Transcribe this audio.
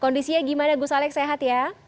kondisinya gimana gus alex sehat ya